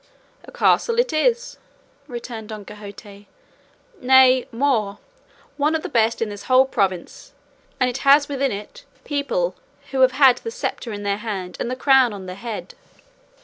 "A castle it is," returned Don Quixote, "nay, more, one of the best in this whole province, and it has within it people who have had the sceptre in the hand and the crown on the head."